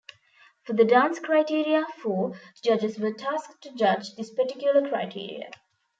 For the dance criteria, four judges were tasked to judge this particular criteria.